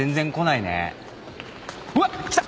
うわっ来た。